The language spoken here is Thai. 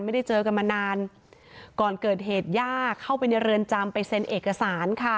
ไม่ได้เจอกันมานานก่อนเกิดเหตุย่าเข้าไปในเรือนจำไปเซ็นเอกสารค่ะ